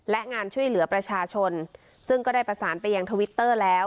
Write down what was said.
และงานช่วยเหลือประชาชนซึ่งก็ได้ประสานไปยังทวิตเตอร์แล้ว